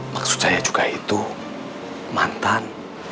maksud saya juga itu mantan